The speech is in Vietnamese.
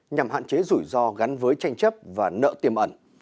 nhằm hạn chế rủi ro gắn với tranh chấp và nợ tiềm ẩn